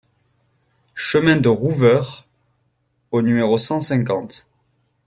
Chemin de Rouveure au numéro cent cinquante